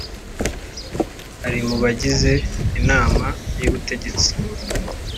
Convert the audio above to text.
ari mu bagize Inama y Ubutegetsi